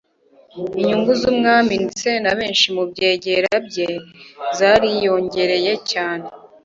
inyungu z'umwami ndetse na benshi mu byegera bye zariyongereye cyane